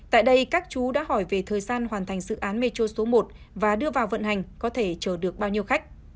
tại đây các chú đã hỏi về thời gian hoàn thành dự án metro số một và đưa vào vận hành có thể chở được bao nhiêu khách